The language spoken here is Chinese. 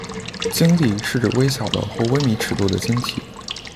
晶粒是指微小的或微米尺度的晶体。